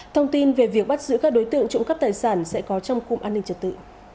thông tin về việc bắt giữ các đối tượng trụng cấp tài sản sẽ có trong cung an ninh trật tự